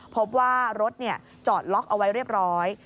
พบว่ารถจอดล็อกเอาไว้เรียบร้อย